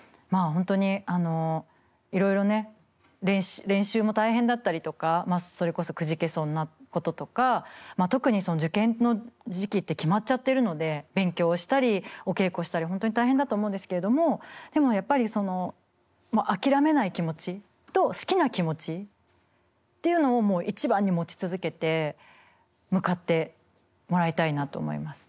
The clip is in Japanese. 本当にいろいろね練習も大変だったりとかまあそれこそくじけそうなこととか特に受験の時期って決まっちゃってるので勉強したりお稽古したり本当に大変だと思うんですけれどもでもやっぱり諦めない気持ちと好きな気持ちっていうのを一番に持ち続けて向かってもらいたいなと思います。